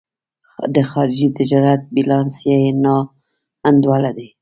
د خارجي تجارت بیلانس یې نا انډوله دی.